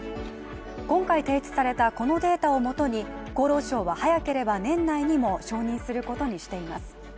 今回提出されたこのデータをもとに、厚労省は早ければ年内にも承認することにしています。